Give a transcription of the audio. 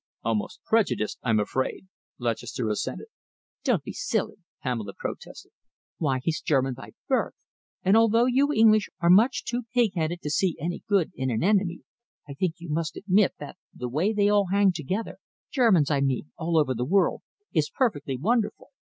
"Almost prejudiced, I'm afraid," Lutchester assented. "Don't be silly," Pamela protested. "Why, he's German by birth, and although you English people are much too pig headed to see any good in an enemy, I think you must admit that the way they all hang together Germans, I mean, all over the world is perfectly wonderful."